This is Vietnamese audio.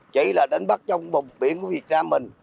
chỉ là đánh bắt trong vùng biển của việt nam mình